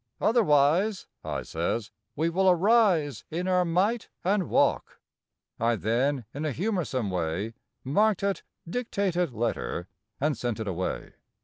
Otherwise," I says, "we will arise in our might and walk." I then, in a humorsome way, marked it "dictated letter" and sent it away.